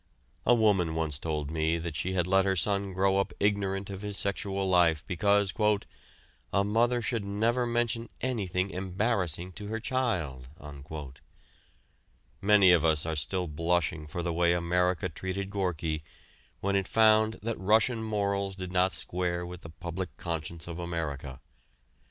A woman once told me that she had let her son grow up ignorant of his sexual life because "a mother should never mention anything 'embarrassing' to her child." Many of us are still blushing for the way America treated Gorki when it found that Russian morals did not square with the public conscience of America.